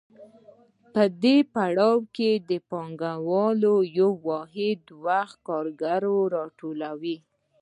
په دې پړاو کې پانګوال په یو واحد وخت کارګران راټولوي